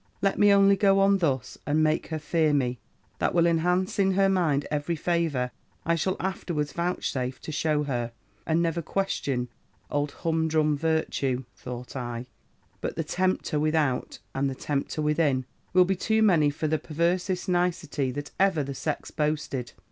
Let me only go on thus, and make her fear me: that will enhance in her mind every favour I shall afterwards vouchsafe to shew her: and never question old humdrum Virtue,' thought I, 'but the tempter without, and the tempter within, will be too many for the perversest nicety that ever the sex boasted.'